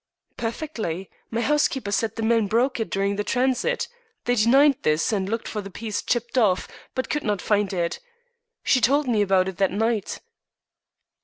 "Perfectly. My housekeeper said the men broke it during the transit. They denied this, and looked for the piece chipped off, but could not find it. She told me about it that night."